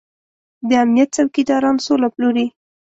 د امنيت څوکيداران سوله پلوري.